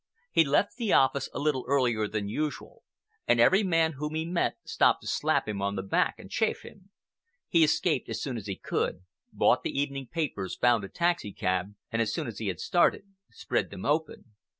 He left the office a little earlier than usual, and every man whom he met stopped to slap him on the back and chaff him. He escaped as soon as he could, bought the evening papers, found a taxicab, and as soon as he had started spread them open.